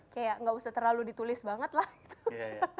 kayak nggak usah terlalu ditulis banget lah